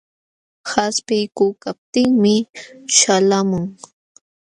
Qaspiykuykaptinmi ćhalqamun.